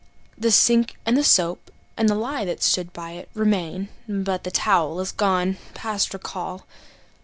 The sink and the soap and the lye that stood by it Remain; but the towel is gone past recall.